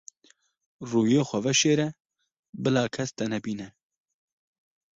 Rûyê xwe veşêre bila kes te nebîne.